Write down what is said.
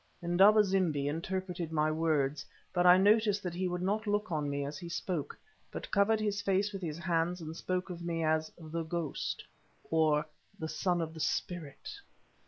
Indaba zimbi interpreted my words, but I noticed that he would not look on me as he spoke, but covered his face with his hands and spoke of me as "the ghost" or the "son of the spirit."